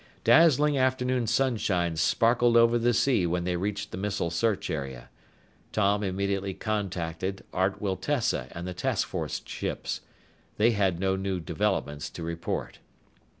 Dazzling afternoon sunshine sparkled over the sea when they reached the missile search area. Tom immediately contacted Art Wiltessa and the task force ships. They had no new developments to report.